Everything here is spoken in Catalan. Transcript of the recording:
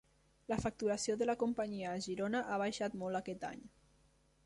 La facturació de la companyia a Girona ha baixat molt aquest any